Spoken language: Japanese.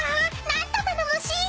なんと頼もしい！